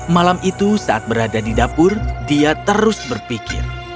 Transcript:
malam itu saat berada di dapur dia terus berpikir